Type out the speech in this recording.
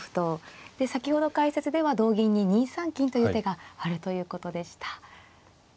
で先ほど解説では同銀に２三金という手があるということでした。